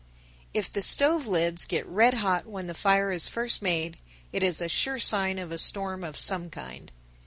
If the stove lids get red hot when the fire is first made, it is a sure sign of a storm of some kind.